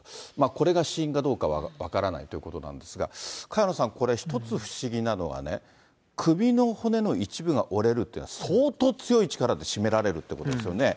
これが死因かどうかは分からないということなんですが、萱野さん、これ１つ不思議なのはね、首の骨の一部が折れるって、相当強い力で絞められるっていうことですよね。